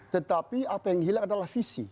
tetapi apa yang hilang adalah visi